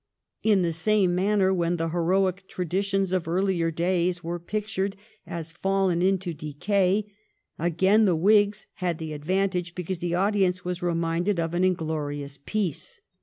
In the same manner, when the heroic traditions of earlier days were pictured as fallen into decay, again the Whigs had the ad vantage, because the audience were reminded of an inglorious peace.